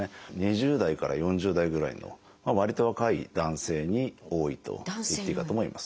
２０代から４０代ぐらいのわりと若い男性に多いといっていいかと思います。